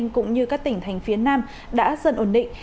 cũng như các tỉnh thành phía nam đã dần ổn định